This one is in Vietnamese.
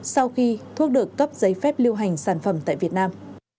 sau khi thuốc được cấp giấy phép lưu hành sản phẩm tại việt nam